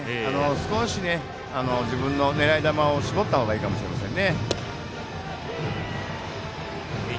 少しね、自分の狙い球を絞った方がいいかもしれません。